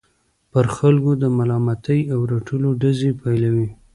پر خلکو د ملامتۍ او رټلو ډزې پيلوي.